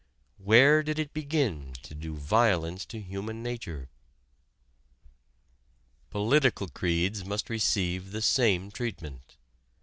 Where did it begin to do violence to human nature? Political creeds must receive the same treatment.